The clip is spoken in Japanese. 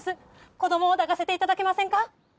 子供を抱かせていただけませんか？